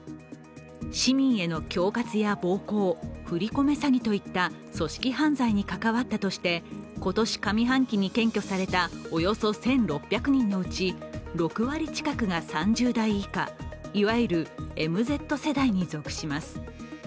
市民への恐喝や暴行、振り込め詐欺といった組織犯罪に関わったとして今年上半期に検挙されたおよそ１６００のうち、６割近くが３０代以下いわゆるＭＺ世代に属します。